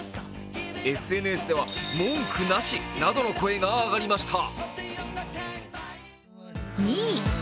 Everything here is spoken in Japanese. ＳＮＳでは文句なしなどの声が上がりました。